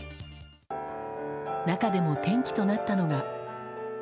中でも転機となったのが。